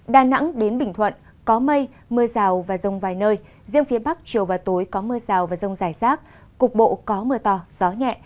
đà nẵng đến bình thuận có mây mưa rào và rông vài nơi riêng phía bắc chiều và tối có mưa rào và rông rải rác cục bộ có mưa to gió nhẹ